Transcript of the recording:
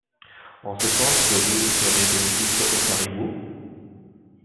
En ce sens, le loup serait bénéfique au caribou.